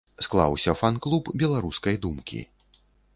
Склаўся фан-клуб беларускай думкі.